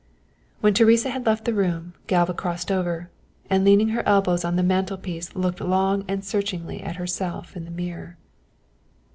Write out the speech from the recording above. When Teresa had left the room, Galva crossed over, and leaning her elbows on the mantelpiece looked long and searchingly at herself in the mirror.